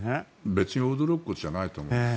別に驚くことじゃないと思うんですよ。